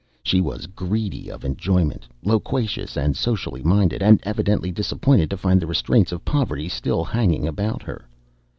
She was greedy of enjoyment, loquacious, and socially minded, and evidently disappointed to find the restraints of poverty still hanging about her.